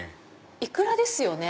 イクラですよね？